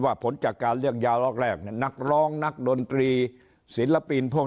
ว่าผลจากการเลือกยารอบแรกนักร้องนักดนตรีศิลปินพวก